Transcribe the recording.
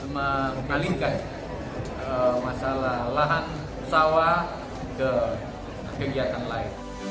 mengalingkan masalah lahan sawah ke kegiatan lain